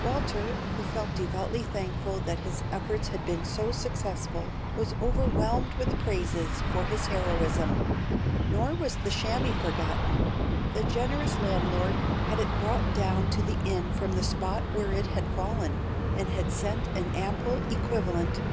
Walter, who felt devoutly thankful that his efforts had been so successful, was overwhelmed with praises for his heroism. Nor was the chamois forgotten. The generous landlord had it brought down to the inn from the spot where it had fallen, and sent an ample equivalent